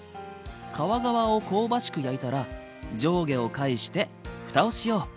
皮側を香ばしく焼いたら上下を返してふたをしよう。